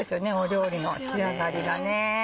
料理の仕上がりがね。